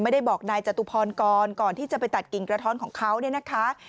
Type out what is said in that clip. ไม่ได้บอกนายจตุพรก่อนก่อนที่จะไปตัดกิ่งกระท้อนของเขาเนี่ยนะคะ